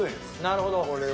なるほど。